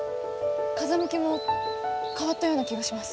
風向きも変わったような気がします。